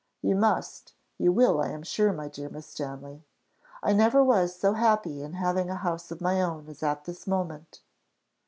You must you will, I am sure, my dear Miss Stanley. I never was so happy in having a house of my own as at this moment.